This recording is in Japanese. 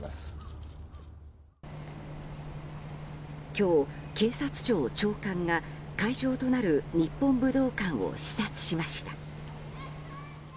今日、警察庁長官が会場となる日本武道館を視察しました。